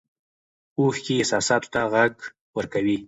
اوښکې احساساتو ته غږ ورکوي.